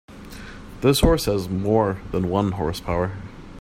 This horse has more than one horse power.